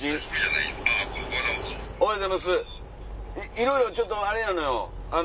いろいろちょっとあれなのよ。